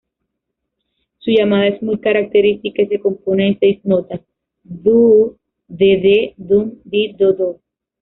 Su llamada es muy característica y se compone de seis notas "doo-dd-dum-di-do-do.